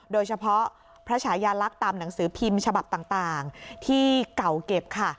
โดยเฉพาะพระชายาลักษณ์ตามหนังสือพิมพ์ฉบับต่างที่เก่าเก็บค่ะ